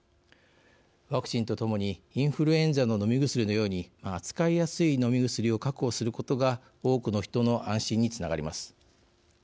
ワクチンとともにインフルエンザの飲み薬のように扱いやすい飲み薬を確保することが多くの人の安心につながります。